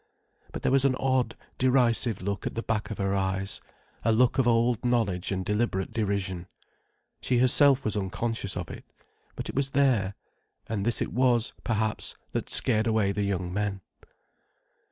But there was an odd, derisive look at the back of her eyes, a look of old knowledge and deliberate derision. She herself was unconscious of it. But it was there. And this it was, perhaps, that scared away the young men.